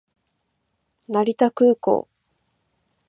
成田空港